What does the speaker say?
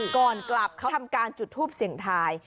ก่อนกลับเขาทำการจุดทูปเสียงทาย